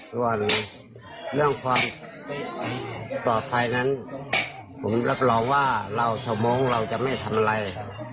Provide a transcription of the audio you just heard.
ส่วนเรื่องความปลอดภัยนั้นผมรับรองว่าเราชาวมงค์เราจะไม่ทำอะไร